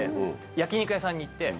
焼き肉屋さんに行って。